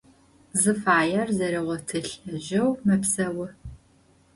Зыфаер зэригъотылӏэжьэу мэпсэу.